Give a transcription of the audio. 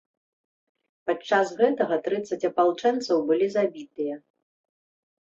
Падчас гэтага, трыццаць апалчэнцаў былі забітыя.